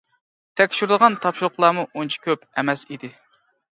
تەكشۈرىدىغان تاپشۇرۇقلارمۇ ئۇنچە كۆپ ئەمەس ئىدى.